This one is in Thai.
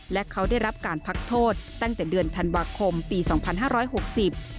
และเขาได้รับการพักโทษตั้งแต่เดือนธันวาคมปีสองพันห้าร้อยหกสิบ